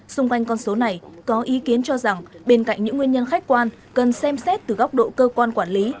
xung quanh con số này có ý kiến cho rằng bên cạnh những nguyên nhân khách quan cần xem xét từ góc độ cơ quan quản lý